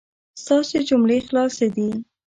ستاسو جملې خلاصې دي